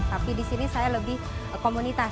tapi disini saya lebih komunitas ya